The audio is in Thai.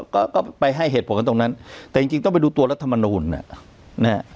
ก็ก็ไปให้เหตุผลกันตรงนั้นแต่จริงต้องไปดูตัวรัฐมนูลนะฮะ